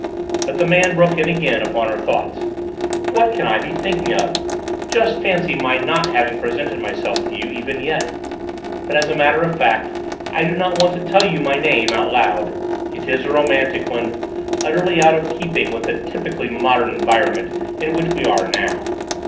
But the man broke in again upon her thoughts. "What can I be thinking of? Just fancy my not having presented myself to you even yet! But as a matter of fact I do not want to tell you my name out loud: it is a romantic one, utterly out of keeping with the typically modern environment in which we are now.